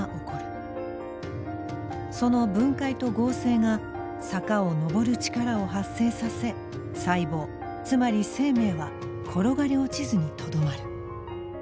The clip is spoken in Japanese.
その分解と合成が坂を上る力を発生させ細胞つまり生命は転がり落ちずにとどまる。